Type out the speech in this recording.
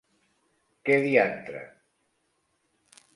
Què diantre?